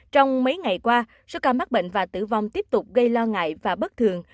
trong mấy ngày qua số ca mắc bệnh và tử vong tiếp tục gây lo ngại và bất thường